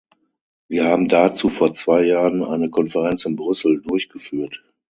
Wir haben dazu vor zwei Jahren eine Konferenz in Brüssel durchgeführt.